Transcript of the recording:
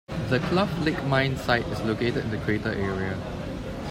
The Cluff Lake mine site is located in the crater area.